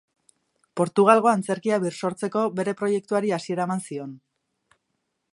Portugalgo antzerkia birsortzeko bere proiektuari hasiera eman zion.